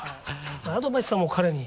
アドバイスはもう彼に。